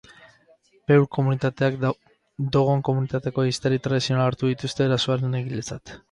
Peul komunitateak, dogon komunitateko ehiztari tradizionalak hartu dituzte erasoaren egiletzat.